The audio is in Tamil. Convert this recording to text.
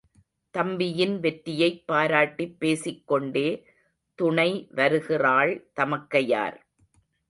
தம்பியின் வெற்றியைப் பாராட்டிப் பேசிக் கொண்டே துணை வருகிறாள் தமைக்கையார்.